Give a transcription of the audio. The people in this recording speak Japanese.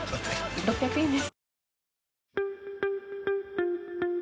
６００円です。